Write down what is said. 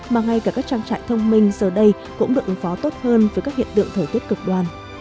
mà ngay cả các trang trại thông minh giờ đây cũng được ứng phó tốt hơn với các hiện tượng thời tiết cực đoan